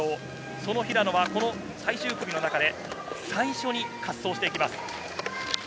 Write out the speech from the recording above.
その平野は最終組の中で最初に滑走していきます。